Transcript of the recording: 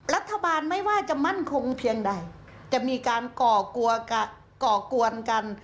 รัฐบาลไม่ว่าจะมั่นคงเพียงใดจะมีการก่อกลั้วก่ะก่อกวนกัน